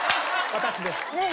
私です。